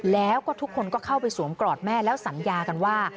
แล้วก็ทุกคนก็เข้าไปสวมกอดแม่แล้วสัญญากันว่า